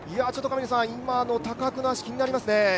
今の高久の足、気になりますね。